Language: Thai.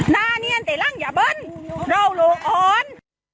น่าเนียนแต่ร่างอย่าเบิ้ลร่าวโลกอ่อน